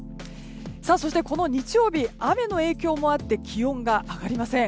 そして、この日曜日雨の影響もあって気温が上がりません。